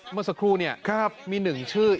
เมื่อสักครู่นี่มีหนึ่งชื่อ